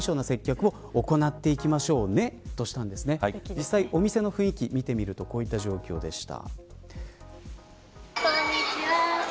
実際お店の雰囲気を見てみるとこういった状況でした。